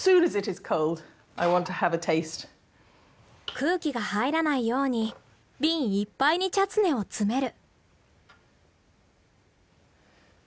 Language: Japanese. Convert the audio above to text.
空気が入らないように瓶いっぱいにチャツネを詰める。